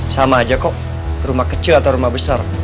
sama aja kok rumah kecil atau rumah besar